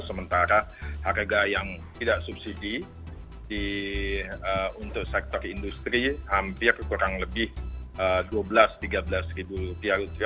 sementara harga yang tidak subsidi untuk sektor industri hampir kurang lebih rp dua belas rp tiga belas